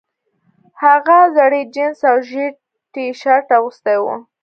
هغه زړې جینس او ژیړ ټي شرټ اغوستی و